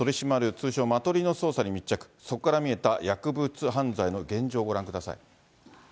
通称マトリの捜査に密着、そこから見えた薬物犯罪の現状をご覧ください。